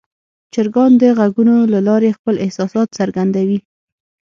چرګان د غږونو له لارې خپل احساسات څرګندوي.